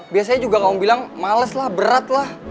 biasanya juga kamu bilang males lah berat lah